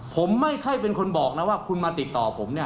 ผมไม่ค่อยเป็นคนบอกนะว่าคุณมาติดต่อผมเนี่ย